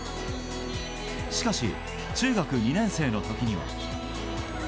しかし、中学２年生の時には。